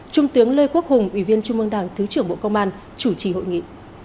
trung tướng lê quốc hùng ủy viên trung mương đảng thứ trưởng bộ công an chủ trì hội nghị